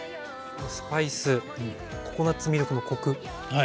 スパイスココナツミルクのコク。